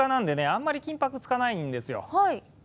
あんまり金ぱく使わないんですよ。